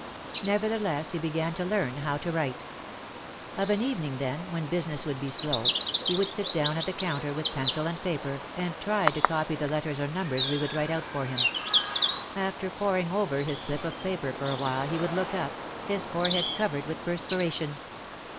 Nevertheless he began to learn how to write. Of an evening then, when business would be slow, he would sit down at the counter with pencil and paper and try to copy the letters or numbers we would write out for him. After poring over his slip of paper for a while he would look up, his forehead covered with per spiration.